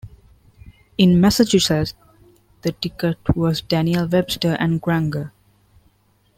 In Massachusetts, the ticket was Daniel Webster and Granger.